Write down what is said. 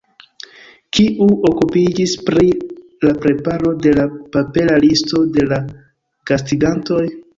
Kiu okupiĝis pri la preparo de la papera listo de gastigantoj?